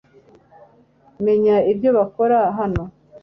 menya ibyo bakora hano